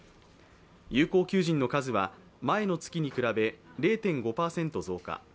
有効求人の数は前の月に比べ０．５％増加。